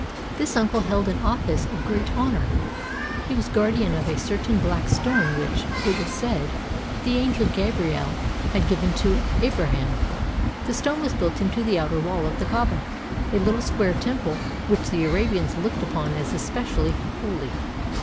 This uncle held an office of great honor, — he was guardian of a certain black stone which, it was said, the angel Gabriel had given to Abraham. The stone was built into the outer wall of the Kaaba, a little square temple which the Arabians looked upon as especially holy.